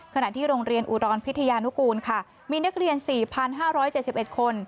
ขณะที่โรงเรียนอุดรพิทยานุกูลค่ะมีนักเรียน๔๕๗๑คน